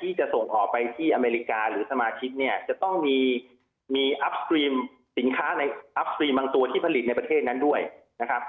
ที่จะส่งออกไปที่อเมริกาหรือสมาชิกจะต้องมีสินค้าอัพสตรีมบางตัวที่ผลิตในประเทศนั้นด้วยนะครับ